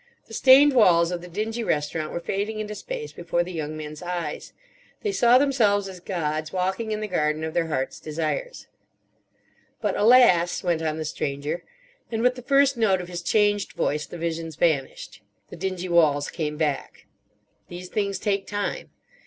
The stained walls of the dingy restaurant were fading into space before the young men's eyes. They saw themselves as gods walking in the garden of their hearts' desires. "But, alas," went on the Stranger—and with the first note of his changed voice the visions vanished, the dingy walls came back—"these things take time.